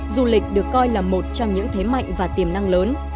du lịch được coi là một trong những thế mạnh và tiềm năng lớn